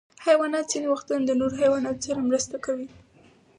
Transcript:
حیوانات ځینې وختونه د نورو حیواناتو سره مرسته کوي.